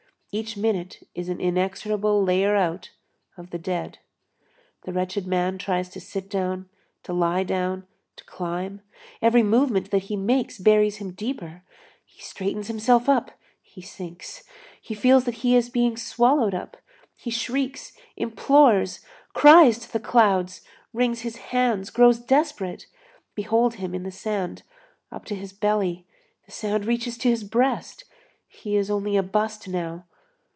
Each minute is an inexorable layer out of the dead. The wretched man tries to sit down, to lie down, to climb; every movement that he makes buries him deeper; he straightens himself up, he sinks; he feels that he is being swallowed up; he shrieks, implores, cries to the clouds, wrings his hands, grows desperate. Behold him in the sand up to his belly, the sand reaches to his breast, he is only a bust now.